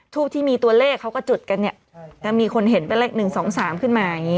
ทูบที่มีตัวเลขเขาก็จุดกันเนี่ยใช่มีคนเห็นเป็นเลขหนึ่งสองสามขึ้นมาอย่างงี้